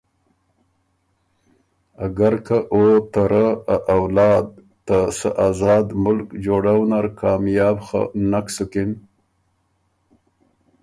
اګر که او ته رۀ ا اولاد ته سۀ آزاد ملک جوړؤ نر کامیاب خه نک سُکِن،